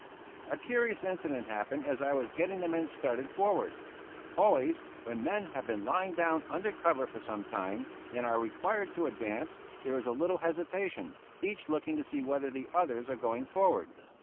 A curious incident happened as I was getting the men started forward. Always when men have been lying down under cover for some time, and are required to advance, there is a little hesitation, each looking to see whether the others are going forward.